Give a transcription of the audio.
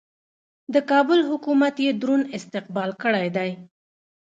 د کابل حکومت یې دروند استقبال کړی دی.